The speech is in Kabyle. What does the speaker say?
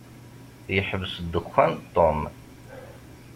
Yeḥbes ddexxan Tom.